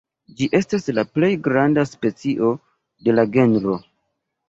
Ĝi estas la plej granda specio de la genro.